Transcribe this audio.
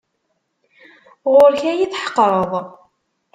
Ɣur-k ad iyi-tḥeqreḍ.